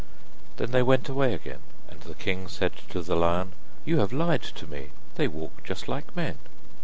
Then they went away again, and the king said to the lion: 'You have lied to me, they walk just like men.